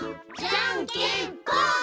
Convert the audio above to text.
じゃんけんぽん！